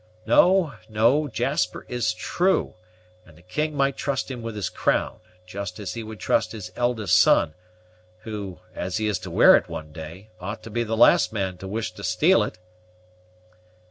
No, no, Jasper is true; and the king might trust him with his crown, just as he would trust his eldest son, who, as he is to wear it one day, ought to be the last man to wish to steal it."